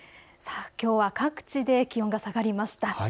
きょうは各地で気温が下がりました。